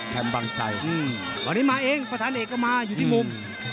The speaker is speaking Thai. ตอนนี้มาเองประธานเอกก็มาอยู่ที่มุม